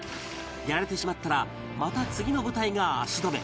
やられてしまったらまた次の部隊が足止め